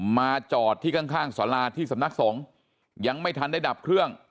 มาจอดที่ข้างสาราที่สำนักสงฆ์ยังไม่ทันได้ดับเครื่อง